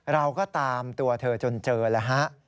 เราก็ตามตัวเธอจนเจอแล้วฮะ